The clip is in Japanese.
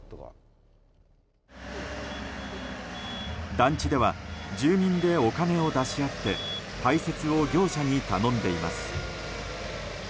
団地では、住民でお金を出し合って排雪を業者に頼んでいます。